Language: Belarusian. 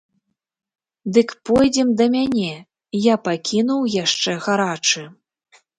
Дык пойдзем да мяне, я пакінуў яшчэ гарачы.